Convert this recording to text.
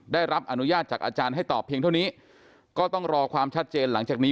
ได้รับอนุญาตจากอาจารย์ให้ตอบเพียงเท่านี้ก็ต้องรอความชัดเจนหลังจากนี้